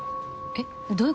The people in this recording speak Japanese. えっ？